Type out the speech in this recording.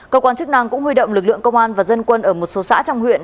cơ quan chức năng cũng huy động lực lượng công an và dân quân ở một số xã trong huyện